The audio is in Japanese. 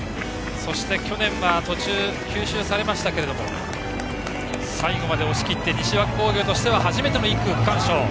そして去年は途中、吸収されましたけれども最後まで押し切って西脇工業としては初めての１区区間賞。